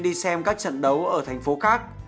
đi xem các trận đấu ở thành phố khác